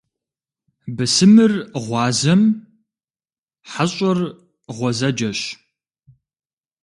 Бысымыр гъуазэм, хьэщӏэр гъуэзэджэщ.